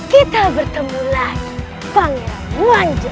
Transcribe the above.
kita bertemu lagi pangir rangwanja